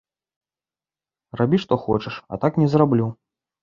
Рабі што хочаш, а так не зраблю.